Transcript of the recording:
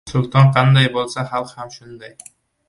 • Sulton qanday bo‘lsa, xalq ham shunday.